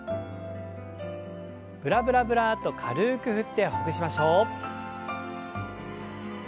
ブラブラブラッと軽く振ってほぐしましょう。